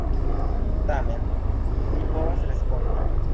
Tamen mi povas respondi!